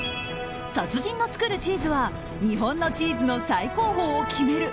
達人の作るチーズは日本のチーズの最高峰を決める